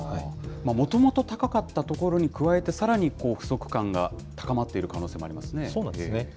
もともと高かったところに加えてさらに不足感が高まっているそうなんですね。